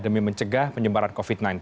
demi mencegah penyebaran covid sembilan belas